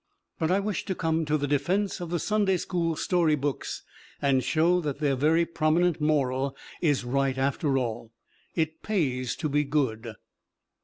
But I wish to come to the defense of the Sunday school story books and show that their very prominent moral is right after all: it pays to be "good."